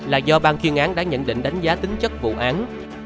là do bang chuyên án đã nhận định đánh giá tính chất vụ án